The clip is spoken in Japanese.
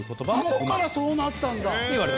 後からそうなったんだ。